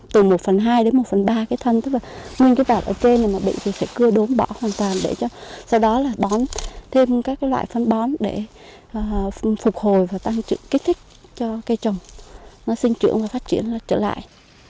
từ một phần hai đến một phần ba cái thân tức là nguyên cái đoạn ở trên này mà bị thì phải cưa đốn bỏ hoàn toàn để cho sau đó là bón thêm các loại phân bón để phục hồi và tăng kích thích cho cây trồng nó sinh trưởng và phát triển nó trở lại